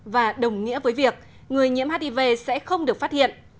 và đồng nghĩa với việc người nhiễm hiv sẽ không được phát hiện